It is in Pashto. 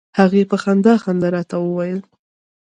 هغې په خندا خندا راته وویل.